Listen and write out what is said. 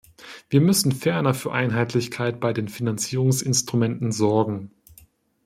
Wir müssen ferner für Einheitlichkeit bei den Finanzierungsinstrumenten sorgen.